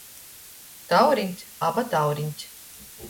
Tauryns aba tauriņs.